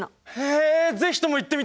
是非とも行ってみたいです！